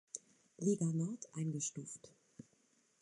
Liga Nord eingestuft.